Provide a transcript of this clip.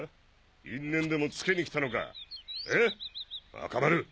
因縁でもつけに来たのかえ？赤丸。